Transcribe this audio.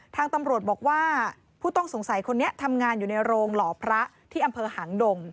ทางตำรวจบอกว่าผู้ต้องสงสัยคนนี้ทำงานอยู่ในโรงหล่อพระที่อำเภอหางดง